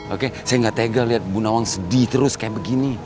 oke saya gak tega lihat bu nawang sedih terus kayak begini